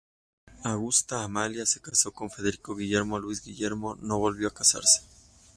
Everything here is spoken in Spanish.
Augusta Amalia se casó con Federico Guillermo, Luis Guillermo no volvió a casarse.